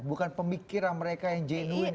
bukan pemikiran mereka yang jenuin